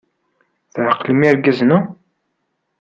Tɛeqlem irgazen-a?